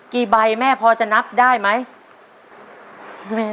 กี่ใบแม่พอจะนับได้ไหม